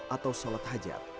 atau sholat hajat